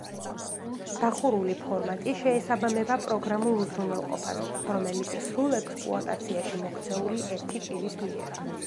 დახურული ფორმატი შეესაბამება პროგრამულ უზრუნველყოფას, რომელიც სრულ ექსპლუატაციაში მოქცეული ერთი პირის მიერ.